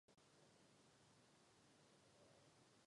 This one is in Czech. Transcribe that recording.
Externě působil i na Akademii múzických umění v Praze.